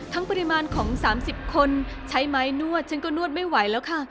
ปริมาณของ๓๐คนใช้ไม้นวดฉันก็นวดไม่ไหวแล้วค่ะ